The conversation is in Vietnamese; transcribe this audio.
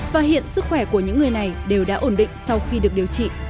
và hiện sức khỏe của những người này đều đã ổn định sau khi được điều trị